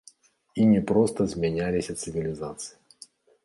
І не проста змяняліся цывілізацыі.